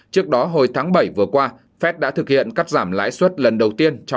trước đó hồi tháng bảy vừa qua phép đã thực hiện cắt giảm lãi suất lần đầu tiên